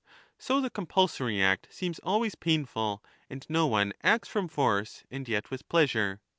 So the compulsory act seems always painful, and no one acts from force and yet with pleasure.